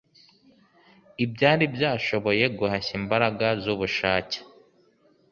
Ibyari byashoboye guhashya imbaraga zubushake